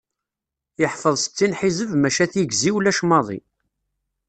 Yeḥfeḍ settin ḥizeb maca tigzi ulac maḍi.